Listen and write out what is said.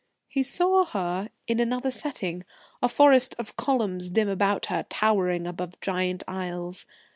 He saw her in another setting, a forest of columns dim about her, towering above giant aisles.